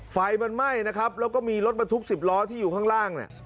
ไฟมันไหม้นะครับแล้วก็มีรถบรรทุก๑๐ล้อที่อยู่ข้างล่างเนี่ย